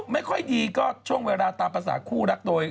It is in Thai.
ไม่ค่อยดีก็ช่วงเวลาตามภาษาคู่รักตัวเอง